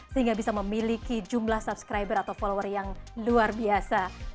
sehingga bisa memiliki jumlah subscriber atau follower yang luar biasa